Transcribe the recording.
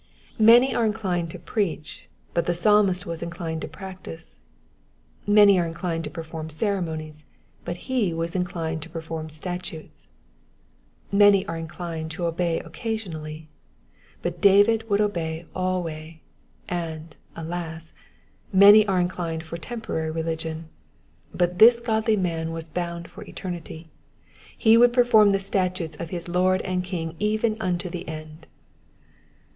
Many are inclined to preach, but the Psalmist was inclined to practise ; many are inclined to perform ceremonies, but he was inclined to perform statutes ; many are inclined to obey occa sionally, but David would obey alway ; and, alas, many are inclined for temporary religion, but this godly man was bound for eternity, he would perform the statutes of his Lord and King even unto the end.